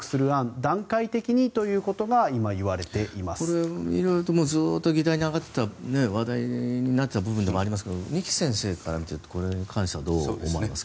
段階的にということがこれ色々とずっと議題に挙がっていた話題になっていた部分でもありますが二木先生から見てこれに関してはどう思われますか？